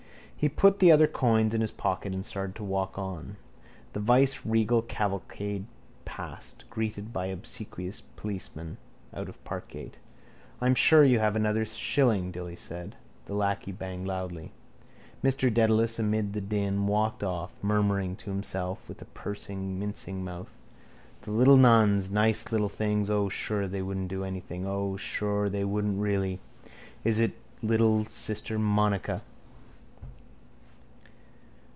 He put the other coins in his pocket and started to walk on. The viceregal cavalcade passed, greeted by obsequious policemen, out of Parkgate. —I'm sure you have another shilling, Dilly said. The lacquey banged loudly. Mr Dedalus amid the din walked off, murmuring to himself with a pursing mincing mouth gently: —The little nuns! Nice little things! O, sure they wouldn't do anything! O, sure they wouldn't really! Is it little sister Monica!